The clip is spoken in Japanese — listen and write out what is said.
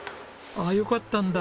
ああよかったんだ。